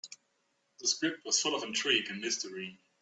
The script was full of intrigue and mystery.